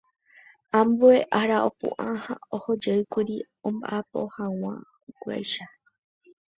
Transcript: Ambue ára opu'ã ha ohojeýkuri omba'apohag̃uáicha.